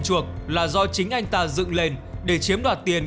chuộc là do chính anh ta dựng lên để chiếm đoạt tiền